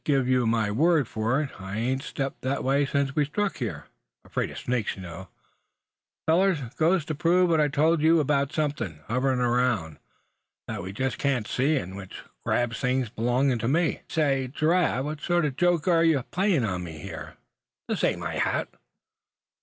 Give you my word for it, I ain't stepped that way since we struck here; afraid of snakes, you know, fellers. Goes to prove what I told you about something hoverin' around, that we just can't see, and which grabs things belongin' to me every say, Giraffe, what sort of a joke are you playin' on me now; this ain't my hat!"